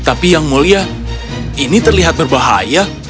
tapi yang mulia ini terlihat berbahaya